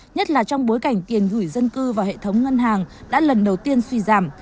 nhất là trong bối cảnh tiền gửi dân cư vào hệ thống ngân hàng đã lần đầu tiên suy giảm